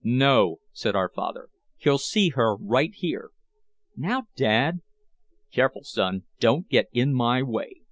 "No," said our father. "He'll see her right here!" "Now, Dad " "Careful, son, don't get in my way.